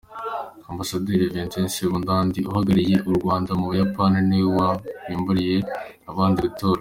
Ambasaderi Venantie Sebudandi uhagarariye u Rwanda mu Buyapani niwe wabimburiye abandi gutora.